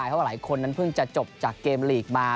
เพราะว่าหลายคนนั้นเพิ่งจะจบจากเกมลีกมา